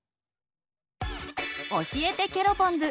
教えてケロポンズ！